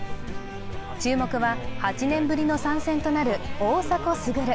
注目は、８年ぶりの参戦となる大迫傑。